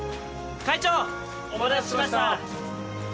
会長お待たせしました。